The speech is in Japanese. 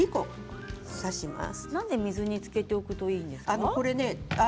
なぜ水につけておくといいんですか。